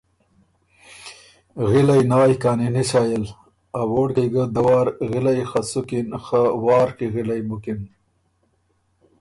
غلئ نایٛ کانی نِسئ ال۔ ا ووړکئ ګۀ دوار غِلئ خه سُکِن خه وارکی غِلئ بُکِن